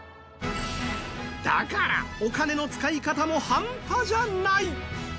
だから、お金の使い方も半端じゃない！